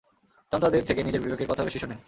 চামচাদের থেকে নিজের বিবেকের কথা বেশি শুনেন।